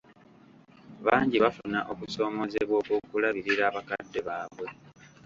Bangi bafuna okusoomoozebwa okw’okulabirira bakadde baabwe.